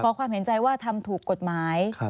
ความเห็นใจว่าทำถูกกฎหมาย